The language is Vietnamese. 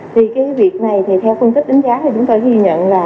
thì việc này theo phân tích đánh giá chúng ta ghi nhận là